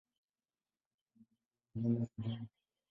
Katika mujibu wa maneno ya Bw.